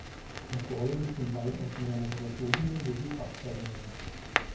Erforderlich sind weitaus mehr Laboratorien sowie Fachpersonal.